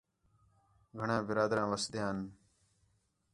گھݨاں برادریاں وسدیاں ہِن